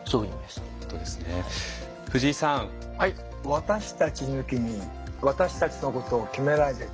「私たち抜きに私たちのことを決めないで」。